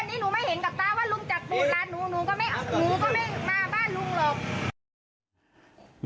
เดี๋ยวให้กลางกินขนม